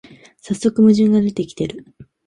さっそく矛盾が出てきてる